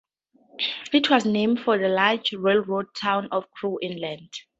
It was named for the large railroad town of Crewe, England.